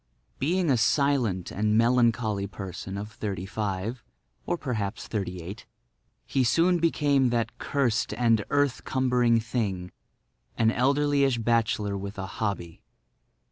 Being a silent and melancholy person of thirty five—or perhaps thirty eight—he soon became that cursed and earth cumbering thing—an elderlyish bachelor with a hobby.